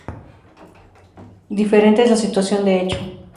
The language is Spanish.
Diferente es la situación de hecho.